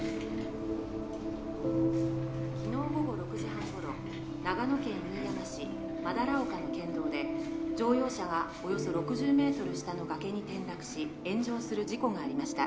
昨日午後６時半頃長野県飯山市斑丘の県道で乗用車がおよそ６０メートル下の崖に転落し炎上する事故がありました